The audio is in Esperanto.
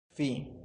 Fi!